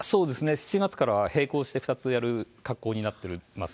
７月からは並行して２つやる格好になっています。